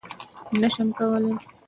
_نه شم کولای.